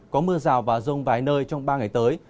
có mưa rào và rông vài nơi trong ba ngày tới